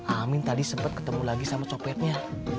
amin tadi sempat ketemu lagi sama copetnya